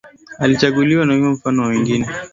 Alichaguliwa kuwa mfano kwa wengine